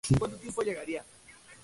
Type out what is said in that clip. Agricultura, ganadería e industria.